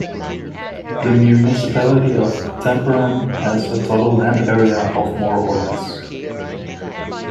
The municipality of Tamparan has a total land area of more or less.